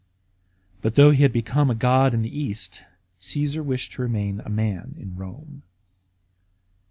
But though he had become a god in the East, Csesar wished to remain a man in Rome.